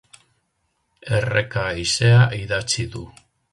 Erreka haizea idatzi du.